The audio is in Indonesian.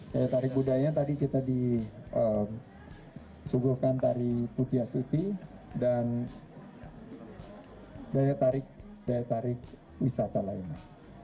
daya tarik budaya tadi kita disuguhkan dari putia siti dan daya tarik wisata lainnya